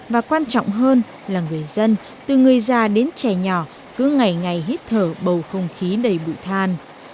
và quan trọng hơn là người dân từ người già đến trẻ nhỏ cứ ngày ngày hít thở bầu không khí đầy bụi than